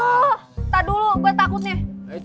kita dulu gue takut nih